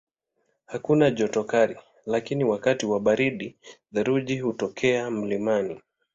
Hakuna joto kali lakini wakati wa baridi theluji hutokea mlimani.